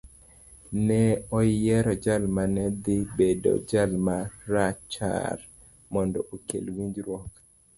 Ne oyiero jal ma ne dhi bedo jal ma rachar mondo okel winjruok